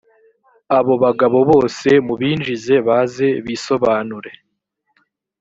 abo bagabo bose mubinjize baze bisobanure